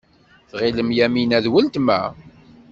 Tɣilem Yamina d weltma.